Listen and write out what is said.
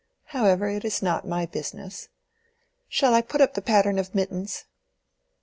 However, it is not my business. Shall I put up the pattern of mittens?"